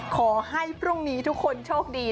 ขอให้พรุ่งนี้ทุกคนโชคดี